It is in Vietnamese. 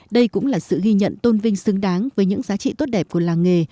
đây cũng là sự ghi nhận tôn vinh xứng đáng với những giá trị tốt đẹp của làng nghề